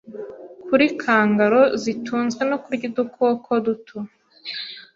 kuri kangaroo zitunzwe no kurya udukoko duto